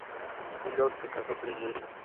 Taylor se casó tres veces.